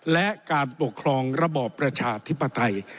และการปกครองระบอบประชาธิปไตย